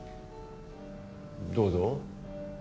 どうぞ。